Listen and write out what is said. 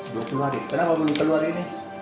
dua puluh hari kenapa belum keluar ini